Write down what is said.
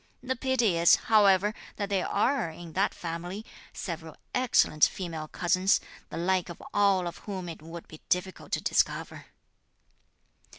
The pity is, however, that there are, in that family, several excellent female cousins, the like of all of whom it would be difficult to discover."